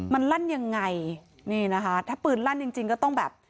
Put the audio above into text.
มันลั่นยังไงนี่นะคะถ้าปืนลั่นจริงจริงก็ต้องแบบ